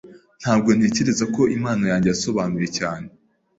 Ntabwo ntekereza ko impano yanjye yasobanuye cyane .